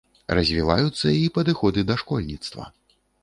Развіваюцца і падыходы да школьніцтва.